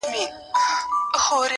له غزل غزل د میني له داستانه ښایسته یې,